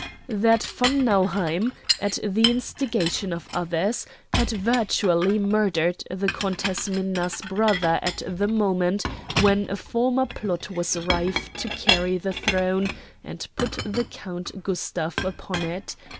"That von Nauheim, at the instigation of others, had virtually murdered the Countess Minna's brother at the moment when a former plot was rife to carry the throne and put the Count Gustav upon it.